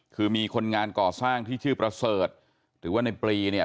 คือมีคนงานก่อสร้างที่ชื่อประเสริฐหรือว่าในปลีเนี่ย